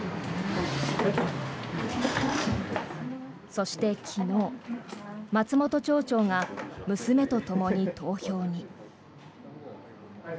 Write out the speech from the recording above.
そして、昨日松本町長が娘とともに投票に。